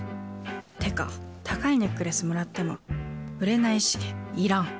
ってか高いネックレスもらっても売れないしいらん。